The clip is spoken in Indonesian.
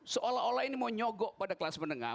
seolah olah ini mau nyogok pada kelas menengah